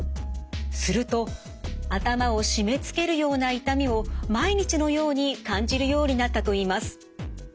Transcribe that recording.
すると頭を締めつけるような痛みを毎日のように感じるようになったといいます。